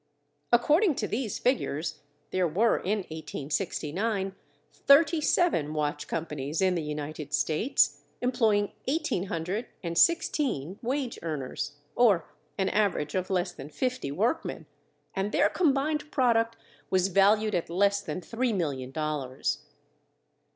According to these figures there were in 1869 thirty seven watch companies in the United States, employing eighteen hundred and sixteen wage earners, or an average of less than fifty workmen; and their combined product was valued at less than three million dollars.